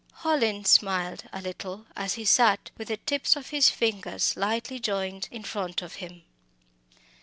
Hallin smiled a little as he sat with the tips of his fingers lightly joined in front of him.